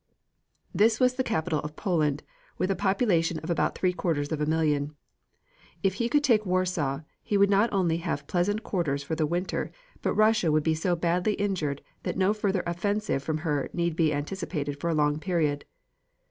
This was the capital of Poland, with a population of about three quarters of a million. If he could take Warsaw, he would not only have pleasant quarters for the winter but Russia would be so badly injured that no further offensive from her need be anticipated for a long period.